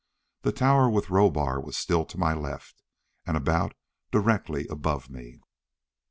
The tower with Rohbar was still to my left, and about directly above me.